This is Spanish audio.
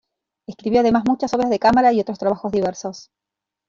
Escribió además muchas obras de cámara y otros trabajos diversos.